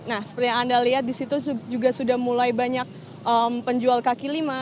nah seperti yang anda lihat di situ juga sudah mulai banyak penjual kaki lima